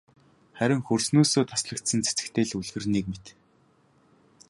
Харин хөрснөөсөө таслагдсан цэцэгтэй л үлгэр нэг мэт.